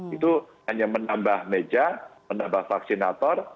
itu hanya menambah meja menambah vaksinator